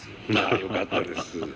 よかったです。